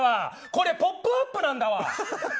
これ「ポップＵＰ！」なんだわ！